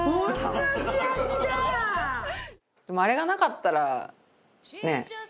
あれがなかったらね